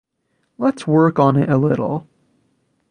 Let's work on it a little'.